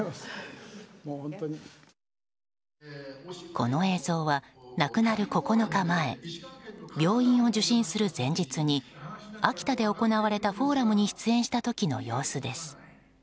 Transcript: この映像は亡くなる９日前病院を受診する前日に秋田で行われたフォーラムに出演した時の様子です。